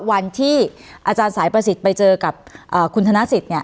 วันที่อาจารย์สายประสิทธิ์ไปเจอกับคุณธนสิทธิ์เนี่ย